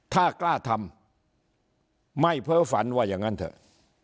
ถ้ากล้าทำไม่เพ้อฝันว่าอย่างนั้นเถอะ